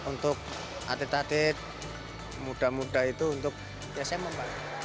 untuk atet atet muda muda itu untuk ya saya mau balik